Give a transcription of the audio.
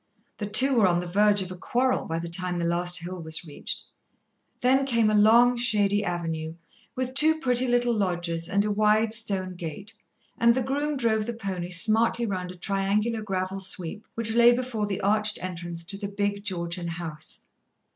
The two were on the verge of a quarrel by the time the last hill was reached. Then came a long, shady avenue, with two pretty little lodges and a wide stone gate, and the groom drove the pony smartly round a triangular gravel sweep which lay before the arched entrance to the big Georgian house.